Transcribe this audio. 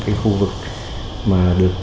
khu vực mà được